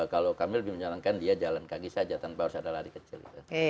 kalau kami lebih menyarankan dia jalan kaki saja tanpa harus ada lari kecil